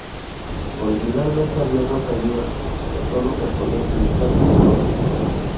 Originalmente había dos ayudas, que sólo se podía utilizar en orden.